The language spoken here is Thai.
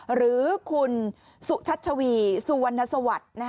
หรือคุณสุชัชวีสุวรรณสวัสดิ์